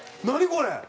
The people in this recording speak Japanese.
これ。